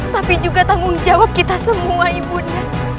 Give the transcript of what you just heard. tapi juga tanggung jawab kita semua ibunya